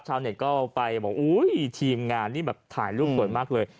ชาวเน็ตก็ไปบอกอุ้ยทีมงานนี่แบบถ่ายรูปสวยมากเลย